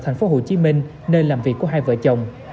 tp hcm nơi làm việc của hai vợ chồng